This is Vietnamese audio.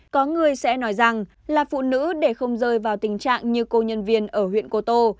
có người sẽ nói rằng là phụ nữ để không rơi vào tình trạng như cô nhân viên ở huyện cô tô